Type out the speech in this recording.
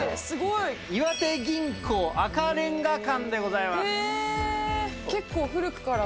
岩手銀行赤レンガ館でござい結構、古くから。